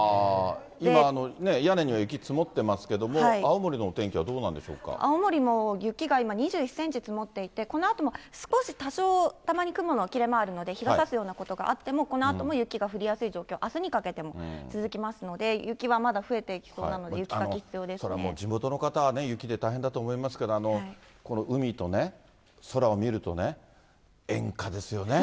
今ね、屋根には雪、積もってますけど、青森のお天気はどうな青森も雪が今、２１センチ積もっていて、このあとも少し、多少、たまに雲の切れ間あるので、日がさすようなことがあっても、このあとも雪が降りやすい状況、あすにかけても続きますので、雪はまだ増えていきそうなので、雪もう地元の方は雪で大変だと思いますけど、この海とね、空を見るとね、演歌ですよね。